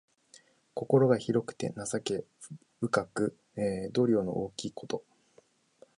心が広くて情け深く、度量の大きいこと。